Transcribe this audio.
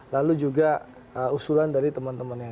lalu juga usulan dari teman temannya